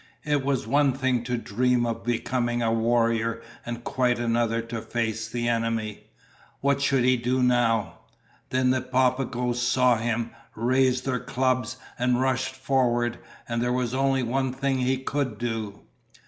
It was one thing to dream of becoming a warrior and quite another to face the enemy. What should he do now? Then the Papagoes saw him, raised their clubs and rushed forward, and there was only one thing he could do.